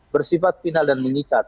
bersifat final dan menyikat